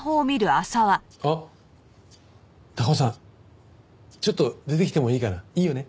あっ高尾さんちょっと出てきてもいいかな？いいよね？